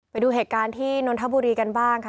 ไปดูเหตุการณ์ที่นนทบุรีกันบ้างค่ะ